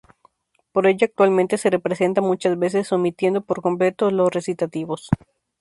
Por ello actualmente se representa muchas veces omitiendo por completo los recitativos.